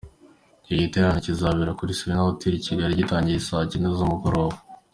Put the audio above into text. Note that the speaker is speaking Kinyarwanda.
Iki giterane kizabera kuri Serena Hotel i Kigali, gitangire saa cyenda z’umugoroba.